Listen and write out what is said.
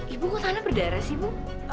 ibu kok tahan berdarah sih bu